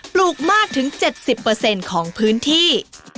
ลูกมากถึง๗๐ของพื้นที่